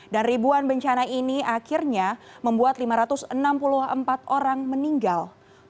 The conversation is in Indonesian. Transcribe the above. dan ribuan bencana ini akhirnya membuat lima ratus enam puluh empat orang meninggal